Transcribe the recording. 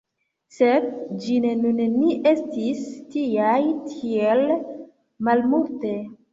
Sed ĝis nun ni estis tiaj tiel malmulte.